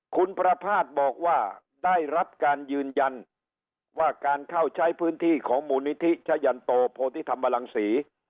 คุณประภาษณ์บอกว่าได้รับการยืนยันว่าการเข้าใช้พื้นที่ของมูลนิธิชะยันโตโพธิธรรมรังศรี